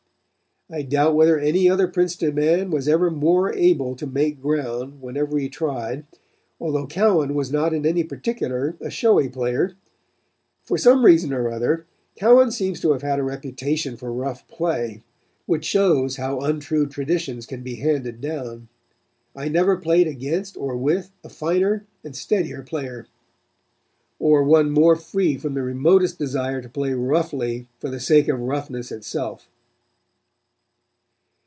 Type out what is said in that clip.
I doubt whether any other Princeton man was ever more able to make ground whenever he tried, although Cowan was not in any particular a showy player. For some reason or other, Cowan seems to have had a reputation for rough play, which shows how untrue traditions can be handed down. I never played against or with a finer and steadier player, or one more free from the remotest desire to play roughly for the sake of roughness itself."